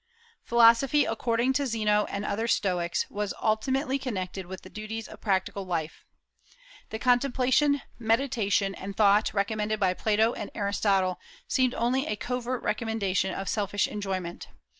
Philosophy, according to Zeno and other Stoics, was intimately connected with the duties of practical life. The contemplation, meditation, and thought recommended by Plato and Aristotle seemed only a covert recommendation of selfish enjoyment.